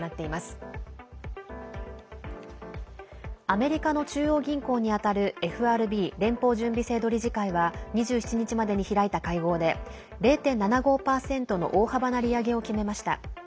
アメリカの中央銀行に当たるＦＲＢ＝連邦準備制度理事会は２７日までに開いた会合で０．７５％の大幅な利上げを決めました。